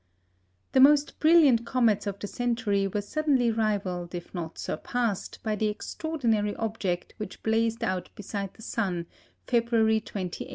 The most brilliant comets of the century were suddenly rivalled if not surpassed by the extraordinary object which blazed out beside the sun, February 28, 1843.